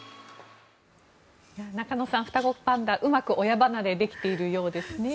中野さん、双子パンダうまく親離れできてるようですね。